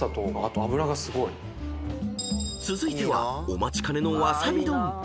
［続いてはお待ちかねのわさび丼］